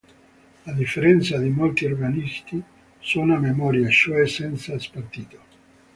A differenza di molti organisti, suona a memoria, cioè senza spartito.